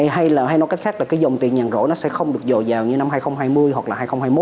hay nói cách khác là cái dòng tiền nhằn rổ nó sẽ không được dồn vào như năm hai nghìn hai mươi hoặc là hai nghìn hai mươi một